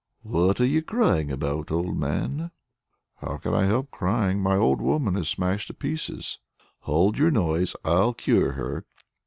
"What are you crying about, old man?" "How can I help crying? My old woman is smashed to pieces." "Hold your noise! I'll cure her."